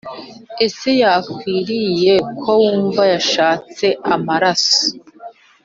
ese yakwiriye ko wumva yashatse amaraso,